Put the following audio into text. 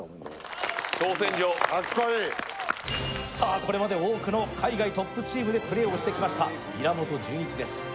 これまで多くの海外トップチームでプレーをしてきました稲本潤一です。